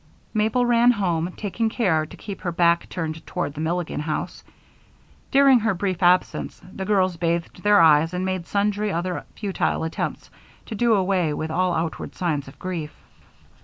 Mabel ran home, taking care to keep her back turned toward the Milligan house. During her brief absence, the girls bathed their eyes and made sundry other futile attempts to do away with all outward signs of grief.